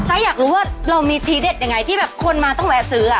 อยากรู้ว่าเรามีทีเด็ดยังไงที่แบบคนมาต้องแวะซื้อ